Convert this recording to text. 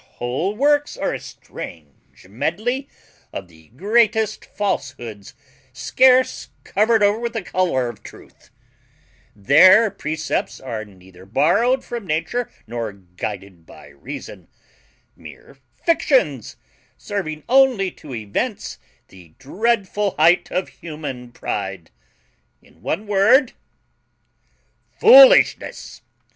Their whole works are a strange medley of the greatest falsehoods, scarce covered over with the colour of truth: their precepts are neither borrowed from nature nor guided by reason; mere fictions, serving only to evince the dreadful height of human pride; in one word, FOOLISHNESS.